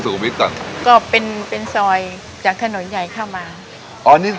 สวัสดีค่ะ